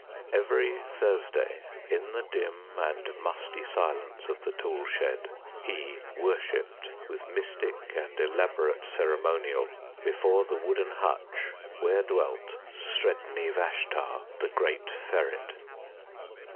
Every Thursday, in the dim and musty silence of the tool shed, he worshipped with mystic and elaborate ceremonial before the wooden hutch where dwelt Sredni Vashtar, the great ferret.